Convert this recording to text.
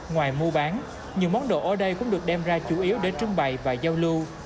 ngoài mua bán nhiều món đồ ở đây cũng được đem ra chủ yếu để trưng bày và giao lưu